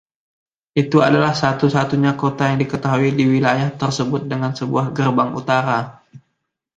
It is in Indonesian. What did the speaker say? Itu adalah satu-satunya kota yang diketahui di wilayah tersebut dengan sebuah gerbang utara.